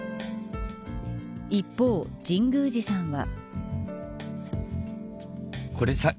一方、神宮寺さんは。